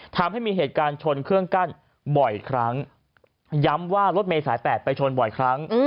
ทำให้มีเหตุการณ์ชนเครื่องกั้นบ่อยครั้งย้ำว่ารถเมย์สายแปดไปชนบ่อยครั้ง